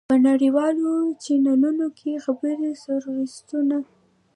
په نړیوالو چېنلونو کې خبري سرویسونه.